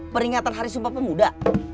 peringatan hari sumpah pemuda